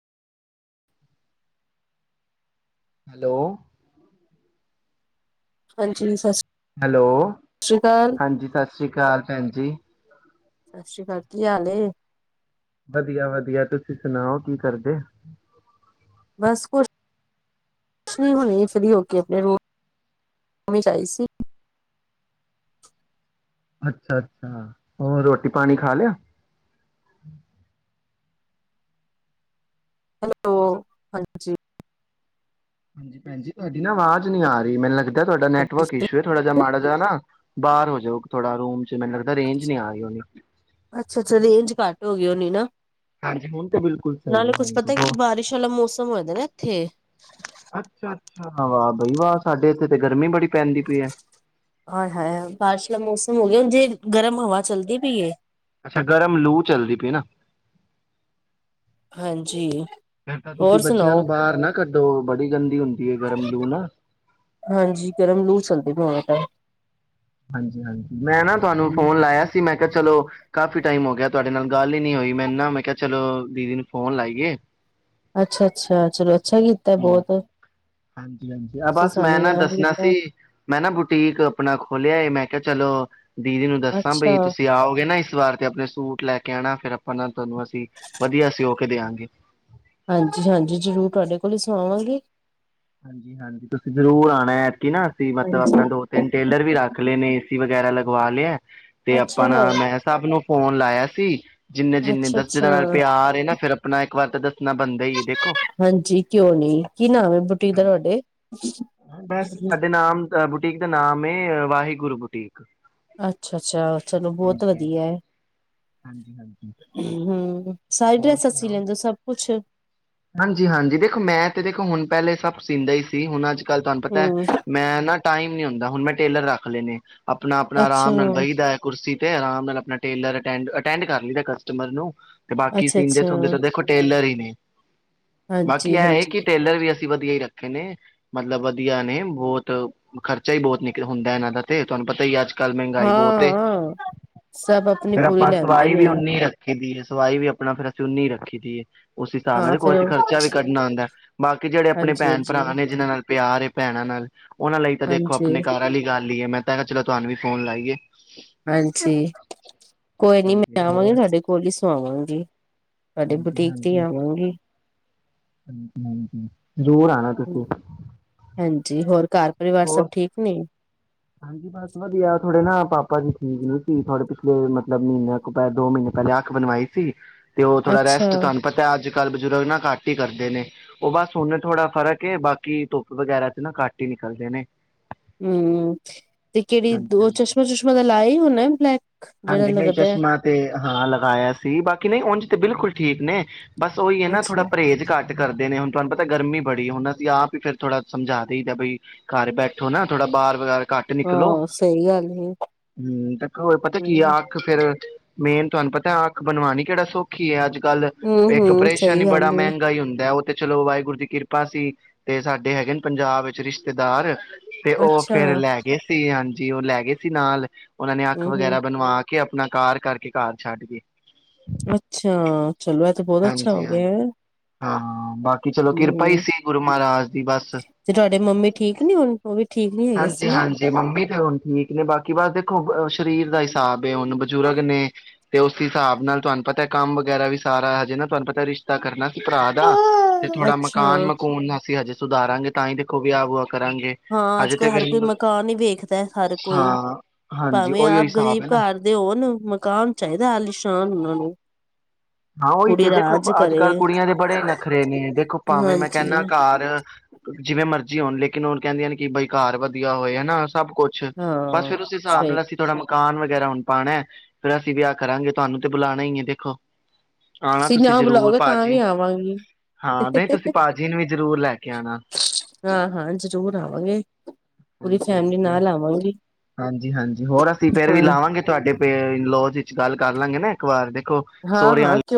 Hello. ਹਾਂਜੀ ਸਸ। Hello, ਹਾਂਜੀ, ਸਤਿ ਸ੍ਰੀ ਅਕਾਲ ਭੈਣ ਜੀ। ਸਤਿ ਸ੍ਰੀ ਅਕਾਲ ਕੀ ਹਾਲ ਏ। ਵਧੀਆ, ਵਧੀਆ ਤੁਸੀਂ ਸੁਣਾਓ ਕੀ ਕਰਦੇ। ਬਸ ਕੁ ਛ ਨੀ ਹੁਨੇ ਫ੍ਰੀ ਹੋ ਕੇ ਆਪਨੇ ਰੂਮ ਮ ਆਈ ਸੀ। ਅੱਛਾ, ਅੱਛਾ ਹੋਰ ਰੋਟੀ ਪਾਨੀ ਖਾ ਲਿਆ? ਹੈਲੋ, ਹਾਂਜੀ। ਹਾਂਜੀ, ਪੈਂਜੀ ਜੀ ਤੁਹਾਡੀ ਨਾ ਆਵਾਜ਼ ਨੀ ਆ ਰਹੀ ਮੈਨੂੰ ਲੱਗ ਗਦਾ ਤੁਹਾਡਾ ਨੈਟਵਰਕ ਇਸ਼ੂ ਏ, ਥੋੜਾ ਜਿਹਾ ਮਾੜਾ ਜਿਹਾ ਨਾ, ਬਾਰ ਹੋ ਜੋ ਥੋੜਾ ਰੂਮ ਚ ਮੈਨੂੰ ਲੱਗਦਾ ਰੇਂਜ ਨੀ ਆ ਰੀ ਹੋਗੀ ਹੋਨੀ ਨਾ। ਸਹੀ ਨਾਲੇ ਹੈ ਕੁਛ ਹਾਂਜੀ ਪਤਾ ਕਿ ਹੋ ਬਾਰਿਸ਼ ਵਾਲਾ ਮੌਸਮ ਹੋਆਂ ਦਾਏ ਨਾ ਇੱਥੇ। ਅੱਛਾ ਵਾਹ ਬਈ ਵਾਹ ਸਾਡੇ ਇੱਥੇ ਤੇ ਗਰਮੀ ਬੜੀ ਪੈਂਦੀ ਪਈ ਹੈ ਆਏ ਹਾਏ ਬਾਰਿਸ਼ ਦਾ ਮੌਸਮ ਹੋ ਗਿਆ ਜੇ ਗਰਮ ਹਵਾ ਚੱਲਦੀ ਪੀ ਏ। ਅੱਛਾ ਗਰਮ ਲੂ ਚਲਦੀ ਪੀ ਨਾ। ਹਾਂਜੀ ਫਿਰ ਤਾਂ ਤੁਸੀਂ ਹੋਰ ਬੱਚਿਆਂ ਸੁਨਾਓ। ਨੂੰ ਬਾਹਰ ਨਾ ਕੱਢੋ ਬੜੀ ਗੰਦੀ ਹੁੰਦੀ ਹੈ ਗਰਮ ਲੂ ਨਾ ਹਾਂਜੀ, ਗਰਮ ਲੂ ਚੱਲਦੀ ਪਈ ਹੁਨ ਏਦਰ। ਹਾਂਜੀ, ਹਾਂਜੀ ਮੈਂ ਨਾ ਤੁਹਾਨੂੰ ਫੋਨ ਲਾਇਆ ਸੀ ਮੈਂ ਕਿਹਾ ਚਲੋ ਕਾਫੀ ਟਾਈਮ ਹੋ ਗਿਆ ਤੁਹਾਡੇ ਨਾਲ ਗੱਲ ਈ ਨਈ ਹੋਈ, ਮੈਂ ਨਾ ਮੈਂ ਕਿਹਾ ਚਲੋ ਦੀਦੀ ਨੂੰ ਫੋਨ ਲਾਈਏ। ਅੱਛਾ, ਅੱਛਾ ਚਲੋ ਅੱਛਾ ਕੀਤਾ ਬਹੁਤ ਹਾਂਜੀ, ਹਾਂਜੀ ਆ ਤੁਸੀਂ ਬਸ ਮੈਂ ਸਾਨੂੰ ਨਾ ਯਾਦ ਦੱਸਨਾ ਕੀਤਾ ਸੀ। ਮੈਂ ਨਾ ਬੁਟੀਕ ਆਪਨਾ ਖੋਲਿਆ ਏ। ਮੈਂ ਕਿਆ ਚਲੋ ਦੀਦੀ ਨੂੰ ਦੱਸਾਂ ਬਈ ਅੱਛਾ ਤੁਸੀਂ ਆਓਗੇ ਨਾ ਇਸ ਵਾਰ ਤੇ ਆਪਨੇ ਸੂਟ ਲੈ ਕੇ ਆਣਾ ਫੇਰ ਆਪਾਂ ਨਾ ਤੁਹਾਨੂੰ ਅਸੀਂ ਵਧੀਆ ਸਿਓ ਕੇ ਦਿਆਂਗੇ। ਹਾਂਜੀ, ਹਾਂਜੀ ਜ਼ਰੂਰ ਤੁਹਾਡੇ ਕੋਲ ਈ ਸੁਆਂਵਾਂਗੇ। ਹਾਂਜੀ ਤੁਸੀਂ ਜ਼ਰੂਰ ਆਂਣਾਏ। ਕਿ ਨਾ ਅਸੀਂ ਮਤਲਬ ਆਪਣਾ ਹਾਂਜੀ ਦੋ ਤਿੰਨ ਟੇਲਰ ਵੀ ਰੱਖ ਲੇ ਨੇ। ਵਗੈਰਾ ਲਗਵਾ ਲਿਆ। ਤੇ ਅੱਛਾ, ਆਪਾਂ ਣਾ ਮੈਂ ਸਬ ਨੂੰ ਫੋਨ ਲਾਇਆ ਸੀ। ਜਿੰਨੇ ਜਿੰਨੇ ਦੱਸ ਜਿਾਂ ਅੱਛਾ-ਅੱਛਾ ਨਾਲ ਪਿਆਰ ਹੈ ਨਾ ਫਿਰ ਆਪਣਾ ਵਾਦ ਦੱਸੇ। ਹਾਂਜੀ, ਕਿਉਂ ਨੀ, ਕੀ ਨਾਮ ਹੈ? ਬੁਟੀਕ ਦਾ ਤੁਹਾਡੇ? ਬਸ ਸਾਡੇ ਨਾਮ, ਬੁਟੀਕ ਦਾ ਨਾਮ ਵਾਹਿਗੁਰੂ ਬੁਟੀਕ। ਅੱਛਾ -ਅੱਛਾ ਚਲੋ ਬਹੁਤ ਹਾਂਜੀ ਵਧੀਆ ਹੈ। ਹਾਂਜੀ ਹਾਂਜੀ ਹਮ ਸਾਰੀ ਡਰੈਸਸੀ ਲੈਂਦੇ। ਸਭ ਕੁਛ ਹਾਂਜੀ- ਹਾਂਜੀ ਦੇਖੋ, ਮੈਂ ਤੇ ਦੇਖੋ ਹੁਣ ਪਹਿਲੇ ਸਭ ਸੀਂਦਾ ਹੀ ਸੀ। ਹੁਣ ਅੱਜ ਗੱਲ ਤੁਹਾਨੂੰ ਪਤਾ ਹੈ। ਹੂੰ ਮੈਂ ਨਾ ਟਾਈਮ ਨਹੀਂ ਹੁੰਦਾ। ਹੁਣ ਮੈਂ ਟੇਲਰ ਰੱਖ ਲੈ ਣੇ। ਆਪਣਾ- ਆਪਣਾ ਅੱਛਾ ਆਰਾਮ ਨਾਲ ਬਹੀਦਾ ਹੈ। ਕੁਰਸੀ ਤੇ ਆਰਾਮ ਨਾਲ ਆਪਣਾ ਟੇਲਰ ਅਟੈਂਡ ਕਰ ਲਈਦਾ ਕਸਟਮਰ ਨੂੰ ਤੇ ਬਾਕੀ ਸੀਨਦੇ- ਅੱਛਾ-ਅੱਛਾ ਸੁਣਦੇ ਤਾਂ ਦੇਖੋ ਟੇਲਰ ਹੀ ਨੇ ਬਾਕੀ ਇਹਂ ਇਹ ਹਾਂਜੀ-ਹਾਂਜੀ ਕਿ ਟੇਲਰ ਵੀ ਅਸੀਂ ਵਧੀਆ ਹੀ ਰੱਖੇ ਨੇ, ਮਤਲਬ ਵਧੀਆ ਨੇ ਬਹੁਤ ਖਰਚਾ ਹੀ ਬਹੁਤ ਨਿਕਲ ਹੁੰਦਾ। ਇਹਨਾਂ ਦਾ ਤੇ ਤੁਹਾਨੂੰ ਪਤਾ ਹੀ ਅੱਜ ਕੱਲ ਮਹਿੰਗਾਈ ਹਾਂ ਬਹੁਤ ਏ ਹਾਂ ਸਭ ਆਪਣੀ ਫਿਰ ਪੂਰੀ ਆਪਾਂ ਲੈਂਦੇ ਸਵਾਈ ਨੇ ਵੀ ਓਨੀ ਰ ਦੀ ਸਵਾਈ ਵੀ ਆਪਣਾ ਫਿਰ ਅਸੀਂ ਉਨੀ ਰੱਖੀ ਦੀਏ। ਉਸ ਹਿਸਾਬ ਹਾਂ ਨਾਲ ਕੋ ਫਿਰ ਖਰਚਾ ਵੀ ਕੱਢਣਾ ਆਉਂਦਾ। ਬਾਕੀ ਜਿਹੜੇ ਆਪਣੇ ਭੈਣ ਹਾਂਜੀ-ਹਾਂਜੀ, -ਭਰਾ ਨੇ ਜਿਹਨਾਂ ਨਾਲ ਪਿਆਰ ਭੈਣਾਂ ਨਾਲ ਉਹਨਾਂ ਲਈ ਤਾਂ ਦੇਖੋ ਆਪਣੇ ਹਾਂਜੀ-ਹਾਂਜੀ ਘਰ ਵਾਲੀ ਗੱਲ ਹੀ ਹੈ। ਮੈਂ ਤਾਂ ਚਲੋ ਤੁਹਾਨੂੰ ਫੋਨ ਲਾਈਏ ਹਾਂਜੀ, ਕੋਈ ਨੀ ਹਾਂਜੀ ਮੈਂ ਆਵਾਂਗੀ ਹੋਰ ਤੁਹਾਡੇ ਕੋਲ ਹੀ ਸ ਆਵਾਂਗੀ। ਤੁਹਾਡੇ ਬੁਟੀਕ ਤੇ ਹੀ ਆਵਾਂਗੀ। ਹ ਹ ਜ਼ਰੂਰ ਆਣਾ। ਤੁਸੀਂ ਹਾਂਜੀ ਹੋਰ ਘਰ ਪਰਿਵਾਰ ਸਭ ਹੋਰ ਠੀਕ ਨੀ। ਹਾਂਜੀ ਬਸ ਵਧੀਆ ਥੋੜੇ ਨਾ ਪਾਪਾ ਜੀ ਠੀਕ ਨੀ ਸੀ। ਥੋੜੇ ਪਿਛਲੇ ਮਤਲਬ ਮਹੀਨੇ ਤੋਂ ਪ ਦੋ ਮਹੀਨੇ ਪਹਿਲੇ ਅੱਖ ਬਣਵਾਈ ਸੀ। ਤੇ ਉਹ ਥੋੜਾ ਅੱਛਾ ਰੈਸਟ ਤੁਹਾਨੂੰ ਪਤਾ ਅੱਜ ਕੱਲ ਬਜ਼ੁਰਗ ਨਾ ਕੱਟ ਹੀ ਕਰਦੇ ਨੇ, ਉਹ ਬਸ ਨ ਥੋੜ੍ਹਾ ਫ਼ਰਕ ਏ ਬਾਕੀ ਧੁੱਪ ਵਗੈਰਾ ਚ ਨਾ ਕੱਟ ਹੀ ਨਿਕਲਦੇ ਨੇ। ਹਮ ਤੇ ਕਿਹੜੀ ਹਾਂਜੀ ਉਹ ਹਾਂਜੀ ਚਸ਼ਮਾ- ਚਸ਼ਮਾ ਦਾ ਲਾ ਹੀ ਹੋਣਾ ਬਲੈਕ ਜਿਹੜਾ ਹਾਂਜੀ ਨਹੀਂ ਲੱਗਦਾ ਹੈ। ਚਸ਼ਮਾ ਤੇ ਹਾਂ ਲਗਾਇਆ ਸੀ ਬਾਕੀ ਨਹੀਂ ਉੰਝ ਤੇ ਬਿਲਕੁਲ ਠੀਕ ਨੇਕ ਬਸ ਉਹੀ ਹੈ ਨਾ ਅੱਛਾ ਥੋੜਾਹੇਜ਼ ਘੱਟ ਕਰਦੇ ਨੇ ਹੁਣ ਤੁਹਾਨੂੰ ਪਤਾ ਗਰਮੀ ਬੜੀ ਹੁਣ ਅਸੀਂ ਆਪ ਹੀ ਫਿਰ ਥੋੜਾ ਸਮਝਾ ਦਈ ਦਾ ਭਈ ਘਰ ਬੈਠੋ ਨਾ ਥੋੜਾ ਬਾਹਰ ਵਗੈਰਾ ਘੱਟ ਨਿਕਲੋ, ਹਾਂ ਸਹੀ ਗੱਲ ਹੈ ਹੂੰ, ਤੇ ਹੋ ਪਤਾ ਕੀ ਅ ਹੂੰ ਅੱਖ ਫੇਰ ਮੇਨ ਤੁਹਾਨੂੰ ਪਤਾ ਅੱਖ ਬਣਵਾਣੀ ਕਿਹੜਾ ਸੌਖੀ ਹੈ ਅੱਜ ਕੱਲ ਹੂੰ ਇੱਕ ਹੂੰ ਅਪ੍ਰੇਸ਼ਨ ਸਹੀ ਹੀ ਗੱਲ ਬੜਾ ਹੈ ਮਹਿੰਗਾ ਹੀ ਹੁੰਦਾ ਚਲੋ ਵਾਹਿਗੁਰੂ ਦੀ ਕਿਰਪਾ ਸੀ, ਤੇ ਸਾਡੇ ਹੈਗੇ ਨੇ ਪੰਜਾਬ ਵਿੱਚ ਰਿਸ਼ਤੇਦਾਰ ਤੇ ਉਹ ਅੱਛਾ ਫੇਰ ਲੈ ਸੀਗੇ ਹਾਂਜੀ ਉਹ ਲੈ ਗਏ ਸੀ ਨਾਲ ਉਹਨਾਂ ਨੇ ਅੱਖ ਹੂੰ ਹੂੰ ਵਗੈਰਾ ਬਣਵਾ ਕੇ ਅਪਣਾ ਕਾਰ ਕਰਕੇ ਘਰ ਛੱਡ ਗਏ। ਅੱਛਾ। ਚਲੋ ਇਹ ਤਾਂ ਬਹੁਤ ਅੱਛਾ ਹਾਂਜੀ ਹੋ ਹਾਂ ਗਿਆ ਏ। ਹਾਂ ਬ ਕੀ ਚਲੋ ਕਿਰਪਾ ਹੀ ਸੀ ਗੁਰੂ ਮਹਾਰਾਜ ਦੀ ਬਸ। ਤੇ ਤੁਹਾਡੇ ਮੰਮੀ ਠੀਕ ਨੀ ਹੁਣ ਉਹ ਵੀ ਠੀਕ ਨੀ ਹੈਗੇ ਸੀ ਹਾਂਜੀ- ਨਾ ਹਾਂਜੀ। ਮੰਮੀ ਤੇ ਹੁਣ ਠੀਕ ਨੇ ਬਾਕੀ ਬਸ ਦੇਖੋ ਸਰੀਰ ਦਾ ਸਾਬ ਬੇ ਹੁਣ ਬਜ਼ੁਰਗ ਨੇ ਤੇ ਉਸ ਹਿਸਾਬ ਨਾਲ ਤੁਹਾਨੂੰ ਪਤਾ ਕੰਮ ਵਗੈਰਾ ਵੀ ਸਾਰਾ ਹਜੇ ਨਾ ਤੁਹਾਨੂੰ ਪਤਾ ਰਿਸ਼ਤਾ ਕਰਨਾ ਭਰਾ ਦਾ, ਤੇ ਥੋੜਾ ਅੱਛਾ ਮਕਾਨ ਮਕੂਨ ਅਸੀਂ ਹਜੇ ਸੁਧਾਰਾਂਗੇ। ਤਾਂ ਹੀ ਦੇਖੋ ਵਿਆਹ ਵੁਆ ਕਰਾਂਗੇ। ਹਾਂ ਅੱਜ ਤੇ ਹਰ ਫਿਰ ਕੋਈ ਮਕਾਨ ਹੀ ਵੇਖਦਾ ਹਰ ਕੋਈ ਹਾਂ ਹਾਂਜੀ ਭਾਵੇਂ ਉਹੀਓ ਆਪ ਹਿਸਾਬ ਗਰੀਬ ਹੈ ਨਾ ਘਰ ਦੇ ਹੋਣ ਮਕਾਨ ਚਾਹੀਦਾ ਆਲੀਸ਼ਾਨ ਔਣ ਹੈਲੋ, ਹਾਂ, ਉਹੀ ਤੇ ਦੇਖੋ ਅੱਜ ਕੱਲ੍ਹ ਕੁੜੀਆਂ ਦੇ ਬੜੇ ਨਖਰੇ ਨੇ, ਦੇਖੋ ਭਾਵੇਂ ਮੈਂ ਹਾਂਜੀ ਕਹਿਣਾ ਘਰ ਜਿਵੇਂ ਮਰਜ਼ੀ ਹੋਣ ਲੇਕਿਨ ਹੁਣ ਕਹਿੰਦੀਆਂ ਨੇ ਕਿ ਬਈ ਘਰ ਵਧੀਆ ਹੋਏ ਹਨਾ। ਸਭ ਕੁੱਛ, ਬਸ ਹਾਂ ਫਿਰ ਉਸ ਹਿਸਾਬ ਸਹੀ ਨਾਲ ਅਸੀਂ ਥੋੜਾ ਮਕਾ ਮਕਾਨ ਵਗੈਰਾ ਹੁਣ ਪਾਣਾ ਫੇਰ ਅਸੀਂ ਵੀ ਆਹ ਕਰਾਂਗੇ ਤੁਹਾਨੂੰ ਤੇ ਬੁਲਾਣਾ ਹੀ ਹੈ ਦੇਖੋ ਆਉਣਾ ਤੁਸੀਂ ਨਾ ਜ਼ਰੂਰ ਬੁਲਾਓਗੇ ਤਾਂ ਵੀ ਭਾਜੀ ਆਵਾਂਗੀ। ਹਾਂ ਨਹੀਂ ਤੁਸੀਂ ਭਾਜੀ ਨੂੰ ਵੀ ਜ਼ਰੂਰ ਲੈ ਕੇ ਆਉਣਾ ਹਾਂ ਹਾਂ ਜ਼ਰੂਰ ਆਵਾਂਗੇ। ਪੂਰੀ ਹਾਂਜੀ ਫੈਮਿਲੀ ਹਾਂਜੀ ਨਾਲ ਆਵਾਂਗੀ ਹਾਂਜੀ ਹਾਂਜੀ ਹੋਰ ਅਸੀਂ ਫੇਰ ਵੀ ਹਾਂ, ਲਾਵਾਂਗੇ ਤੁਹਾਡੇ ਪੇ ਇਣ ਲੋਜ ਚ ਗੱਲ ਕਰ ਲਾਂਗੇ ਨਾ ਇੱਕ ਵਾਰ ਦੇ ਔਹ ਸੋਹਰਿਆਂ ਹਾਂ-ਹਾਂ ਅਲ ਕਿਉਂ